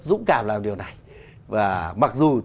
dũng cảm làm điều này và mặc dù